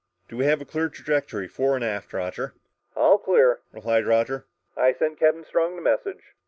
"Do we have a clear trajectory fore and aft, Roger?" "All clear," replied Roger. "I sent Captain Strong the message."